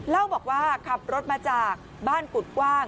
เล่าบอกว่าขับรถมาจากบ้านปุดว่ะค่ะ